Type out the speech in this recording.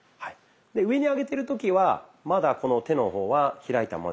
上に上げてる時はまだこの手の方は開いたままで大丈夫です。